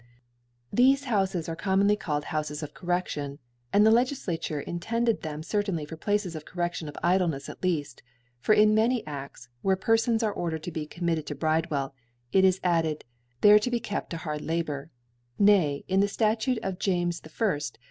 Thefe Houfes arc commonly called Hou : fes of Correction, and the liCgiflature in tended them certainly for Places of Cor reAion of Idlenefs at lead : for in many A6b, where Perfons are ordered to be com mitted to Bridewell^ it is added, There to be kept to hard Labour ; nay, in the Statute I of ( 95 ) of Jac. \.